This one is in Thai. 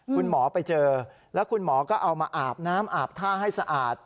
คุณหมอไปเจอแล้วคุณหมอก็เอามาอาบน้ำอาบท่าให้สะอาด